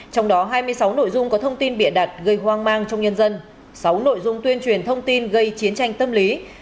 trong đó hai mươi sáu nội dung có thông tin bịa đặt gây hoang mang trong nhân dân sáu nội dung tuyên truyền thông tin gây chiến tranh tâm lý